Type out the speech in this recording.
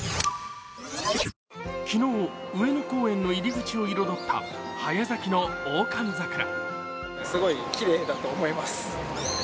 昨日、上野公園の入口を彩った早咲きのオオカンザクラ。